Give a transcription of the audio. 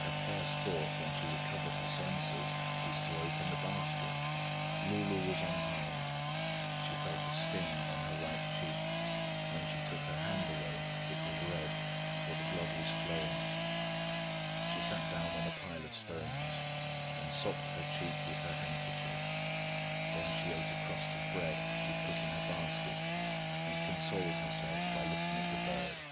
Her first thought, when she recovered her senses, was to open the basket. Loulou was unharmed. She felt a sting on her right cheek; when she took her hand away it was red, for the blood was flowing. She sat down on a pile of stones, and sopped her cheek with her handkerchief; then she ate a crust of bread she had put in her basket, and consoled herself by looking at the bird.